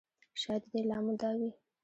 شاید د دې لامل دا وي.